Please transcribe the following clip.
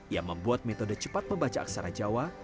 yang membuat metode cepat membaca aksara jawa